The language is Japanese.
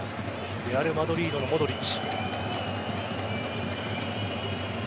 レアルマドリードのモドリッチ。